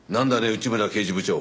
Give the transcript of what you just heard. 内村刑事部長。